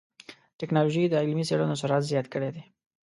ټکنالوجي د علمي څېړنو سرعت زیات کړی دی.